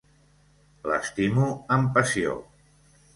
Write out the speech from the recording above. L'estimo amb passió.